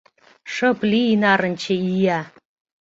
— Шып лий, нарынче ия!..